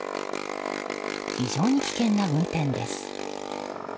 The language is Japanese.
非常に危険な運転です。